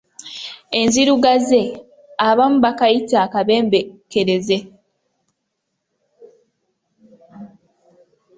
Enzirugaze, abamu bakayita akabembeekereze.